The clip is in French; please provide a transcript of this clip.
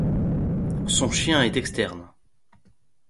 Son chien est externe.